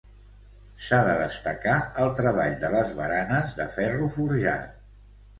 S'ha de destacar el treball de les baranes de ferro forjat.